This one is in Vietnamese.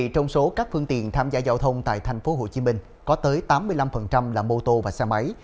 trong số các phương tiện tham gia giao thông tại tp hcm có tới tám mươi năm là mô tô và xe máy